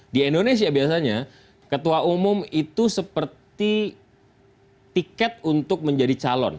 di indonesia biasanya ketua umum itu seperti tiket untuk menjadi calon